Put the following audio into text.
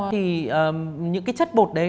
thì những chất bột đấy